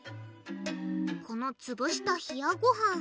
このつぶした冷やごはん